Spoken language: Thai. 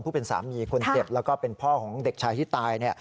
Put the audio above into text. สามีคนเจ็บแล้วก็เป็นพ่อของเด็กชายที่ตาย